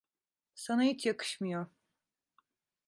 Sana hiç yakışmıyor.